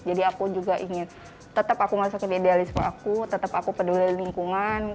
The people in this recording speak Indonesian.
jadi aku juga ingin tetap aku masukin idealisme aku tetap aku peduli lingkungan